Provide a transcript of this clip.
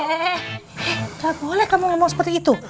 eh gak boleh kamu ngomong seperti itu